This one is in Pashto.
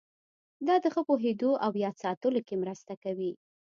دا د ښه پوهېدو او یاد ساتلو کې مرسته کوي.